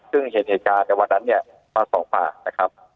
ซึ่งเหตุเอกาในวันนั้นเนี่ยมาส่องฝ่านะครับ